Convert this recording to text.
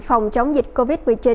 phòng chống dịch covid một mươi chín